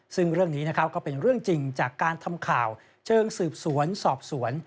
ซึ่งเรื่องนี้นะครับก็เป็นเรื่องจริงจากการทำข่าวเชิงสืบสวนสอบสวน